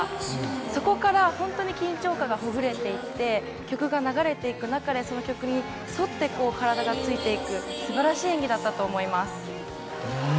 そこから緊張感がほぐれていって曲が流れていく中でその曲に沿って体がついていく、素晴らしい演技だったと思います。